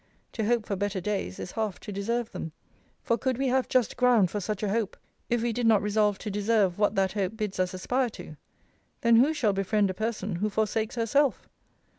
To hope for better days, is half to deserve them: for could we have just ground for such a hope, if we did not resolve to deserve what that hope bids us aspire to? Then who shall befriend a person who forsakes herself?